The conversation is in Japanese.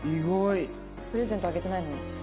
プレゼントあげてないのに。